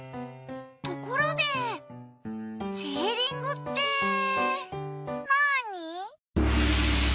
ところでセーリングってなに？